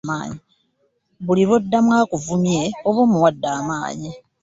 Buli lw'oddamu akuvumye oba omuwadde amaanyi.